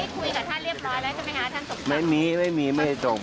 มีที่คุยกับท่านเรียบร้อยแล้วใช่ไหมค่ะท่านถูกตอบ